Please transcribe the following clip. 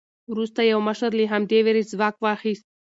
وروسته یو مشر له همدې وېرې ځواک واخیست.